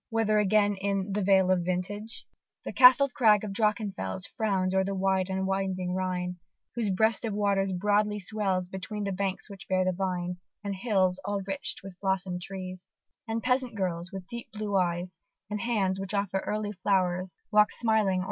whether again, in the "vale of vintage," The castled crag of Drachenfels Frowns o'er the wide and winding Rhine, Whose breast of waters broadly swells Between the banks which bear the vine, And hills all rich with blossom'd trees, And peasant girls, with deep blue eyes, And hands which offer early flowers, Walk smiling o'er this paradise.